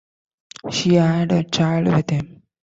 She had a child with him.